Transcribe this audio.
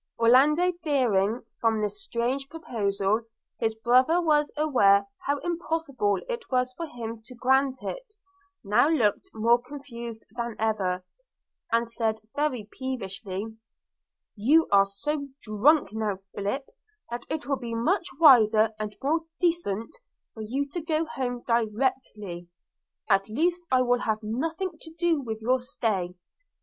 Orlando, fearing, from this strange proposal, his brother was aware how impossible it was for him to grant it, now looked more confused than ever, and said very peevishly, 'You are so drunk now, Philip, that it will be much wiser and more decent for you to go home directly – I at least will have nothing to do with your stay.